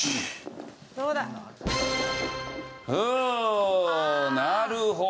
うーんなるほど。